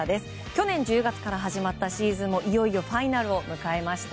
去年１０月から始まったシーズンもいよいよファイナルを迎えました。